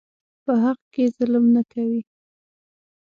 په حق کې ظلم نه کوي.